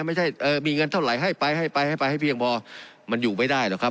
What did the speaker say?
ไม่ใช่มีเงินเท่าไหร่ให้ไปให้ไปให้ไปให้เพียงพอมันอยู่ไม่ได้หรอกครับ